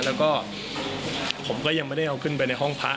แล้วก็ผมก็ยังไม่ได้เอาขึ้นไปในห้องพระ